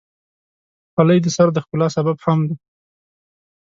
خولۍ د سر د ښکلا سبب هم ده.